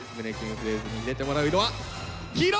フレーズに入れてもらう色は黄色！